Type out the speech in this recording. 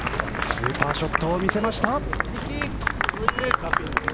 スーパーショットを見せました。